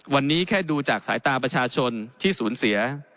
วันนี้แค่ดูจากสายตาประชาชนที่สูญเสีย